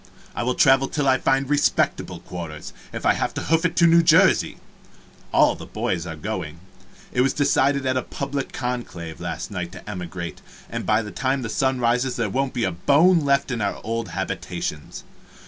I will travel till I fiend respectable quarters, if I have to hoof it to New Jersey. All the boys are going. It was decided in public conclave, last night, to emigrate, and by the time the sun rises there won't be a bone left in our old habitations.